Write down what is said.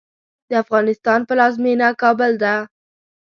د افغانستان پلازمېنه کابل ده